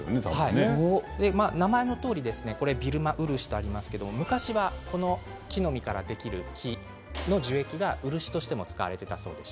名前のとおりビルマウルシとありますが昔は、この木の実からできる樹液が漆としても使われていたそうです。